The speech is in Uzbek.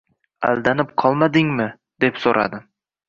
Aldanib qolmadingmi deb so‘radim.